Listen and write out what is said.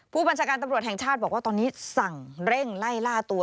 ผู้บัญชาการตำรวจแห่งชาติบอกว่าตอนนี้สั่งเร่งไล่ล่าตัว